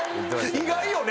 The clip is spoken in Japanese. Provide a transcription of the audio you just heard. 意外よね。